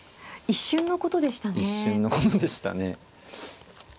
一瞬のことでしたね。